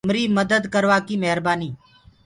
همري مدد ڪروآڪي مهربآنيٚ۔